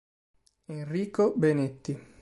Enrico Benetti